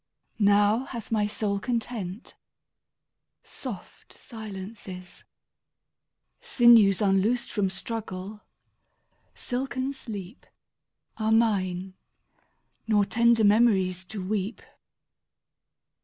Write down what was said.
Now hath my soul content. Soft silences, Sinews unloosed from struggle, silken sleep, 27 Are mine; nor tender memories to weep.